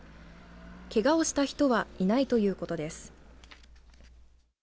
けがをした人はいないということです。